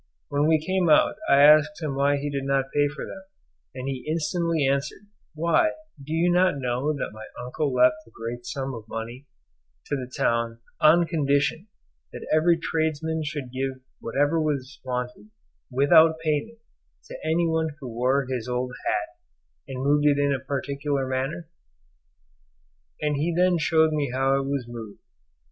When we came out I asked him why he did not pay for them, and he instantly answered, "Why, do you not know that my uncle left a great sum of money to the town on condition that every tradesman should give whatever was wanted without payment to any one who wore his old hat and moved [it] in a particular manner?" and he then showed me how it was moved.